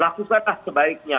langsung tetap sebaiknya